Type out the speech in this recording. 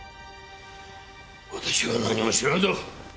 私は何も知らんぞ。